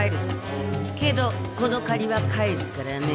けどこの借りは返すからね。